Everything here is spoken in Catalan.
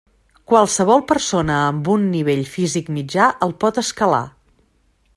Qualsevol persona amb un nivell físic mitjà el pot escalar.